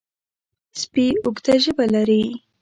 سپي اوږده ژبه لري.